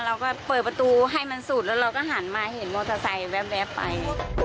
เราก็เปิดประตูให้มันสุดแล้วเราก็หันมาเห็นมอเตอร์ไซค์แว๊บไป